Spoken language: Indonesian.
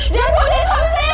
jangan kau jadi suami saya